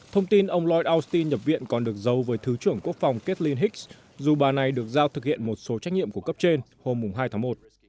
thông tin ông loy austin nhập viện còn được giấu với thứ trưởng quốc phòng kadlin hix dù bà này được giao thực hiện một số trách nhiệm của cấp trên hôm hai tháng một